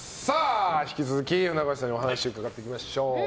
引き続き船越さんにお話伺っていきましょう。